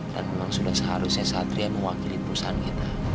dan memang sudah seharusnya satria mewakili perusahaan kita